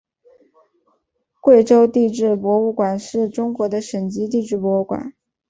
贵州地质博物馆是中国的省级地质博物馆。